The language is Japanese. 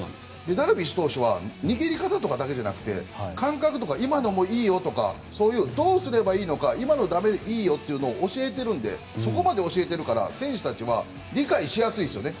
ダルビッシュ投手は握り方とかじゃなくて感覚とか今のもいいよとかどうすればいいのか今のもいいよとかを教えているのでそこまで教えてるから選手たちは理解しやすいんですよね。